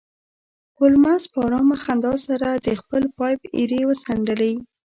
هولمز په ارامه خندا سره د خپل پایپ ایرې وڅنډلې